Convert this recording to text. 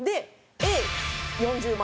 Ａ４０万